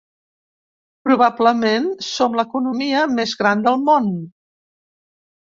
Probablement som l’economia més gran del món.